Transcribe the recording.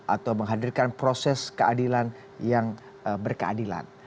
atau menghadirkan proses keadilan yang berkeadilan